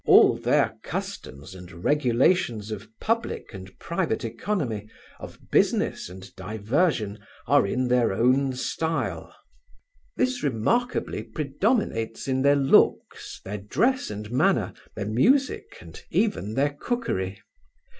All their customs and regulations of public and private oeconomy, of business and diversion, are in their own stile. This remarkably predominates in their looks, their dress and manner, their music, and even their cookery.